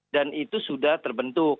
dan itu sudah terbentuk